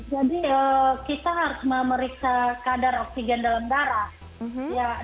jadi kita harus memeriksa kadar oksigen dalam darah